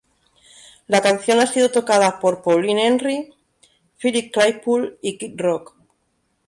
La canción ha sido tocada por Pauline Henry, Philip Claypool y Kid Rock.